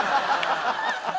ハハハハ。